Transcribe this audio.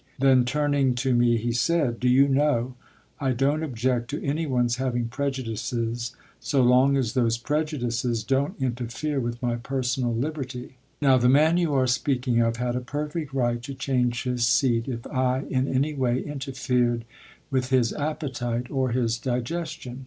Then turning to me he said: "Do you know, I don't object to anyone's having prejudices so long as those prejudices don't interfere with my personal liberty. Now, the man you are speaking of had a perfect right to change his seat if I in any way interfered with his appetite or his digestion.